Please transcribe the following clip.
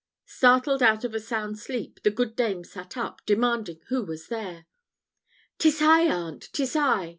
Startled out of a sound sleep, the good dame sat up, demanding who was there. "'Tis I, aunt! 'tis I!"